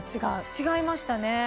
違いましたね。